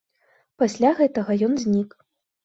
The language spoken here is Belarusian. Пасля гэтага ён знік.